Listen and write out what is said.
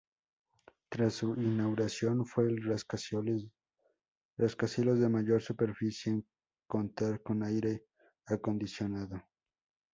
Tras su inauguración, fue el rascacielos de mayor superficie en contar con aire acondicionado.